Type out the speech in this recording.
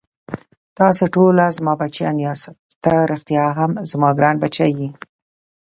تاسې ټوله زما بچیان یاست، ته ريښتا هم زما ګران بچی یې.